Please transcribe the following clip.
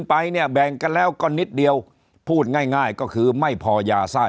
ไปเนี่ยแบ่งกันแล้วก็นิดเดียวพูดง่ายง่ายก็คือไม่พอยาไส้